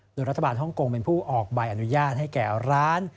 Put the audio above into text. โดยรัฐบาลฮ่องกงเป็นผู้ออกใบอนุญาตให้แก่ร้าน